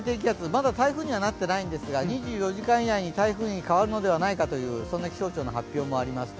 まだ台風にはなってないんですが２４時間以内に台風に変わるのではないかという気象庁の発表もあります。